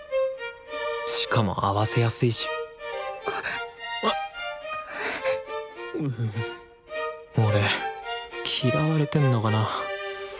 しかも合わせやすいし俺嫌われてんのかな。